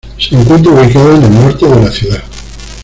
Se encuentra ubicada en el norte de la ciudad.